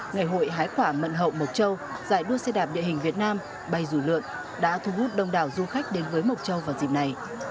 ngày hội hái quả mận hậu mộc châu giải đua xe đạp địa hình việt nam bay rủ lượn đã thu hút đông đảo du khách đến với mộc châu vào dịp này